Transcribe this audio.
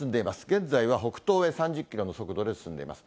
現在は北東へ３０キロの速度で進んでいます。